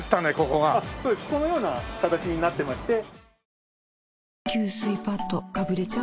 このような形になってまして。